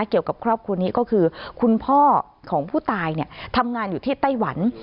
เกี่ยวกับครอบครัวนี้ก็คือคุณพ่อของผู้ตายทำงานอยู่ที่ไต้หวัน